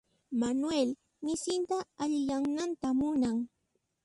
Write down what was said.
Manuel misinta allinyananta munan.